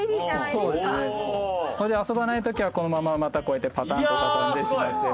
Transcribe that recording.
それで遊ばない時はこのまままたこうやってパタンと畳んでしまって。